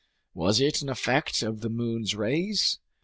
Was it an effect of the moon's rays?